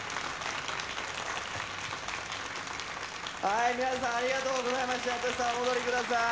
はい皆さんありがとうございましたＴｏｓｈｌさん